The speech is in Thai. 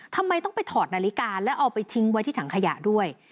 ทำไมต้องไปถอดนาฬิกาแล้วเอาไปทิ้งไว้ที่ถังขยะด้วย